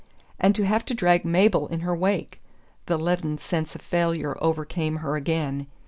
and to have to drag Mabel in her wake! The leaden sense of failure overcame her again.